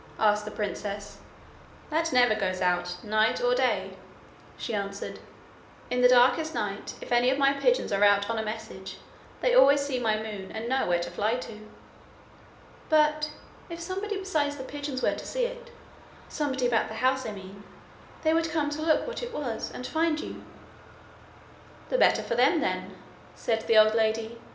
asked the princess. 'That never goes out, night or day,' she answered. 'In the darkest night, if any of my pigeons are out on a message, they always see my moon and know where to fly to.' 'But if somebody besides the pigeons were to see it somebody about the house, I mean they would come to look what it was and find you.' 'The better for them, then,' said the old lady.